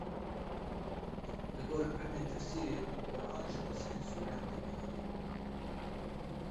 Li gor ilmê tefsîrê Quran ji qismên sûreyan tê pêkanîn.